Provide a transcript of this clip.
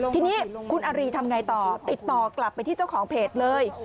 ทีนี้คุณอารีทำไงต่อติดต่อกลับไปที่เจ้าของเพจเลย